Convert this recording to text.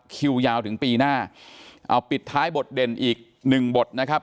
คิวยาวถึงปีหน้าเอาปิดท้ายบทเด่นอีกหนึ่งบทนะครับ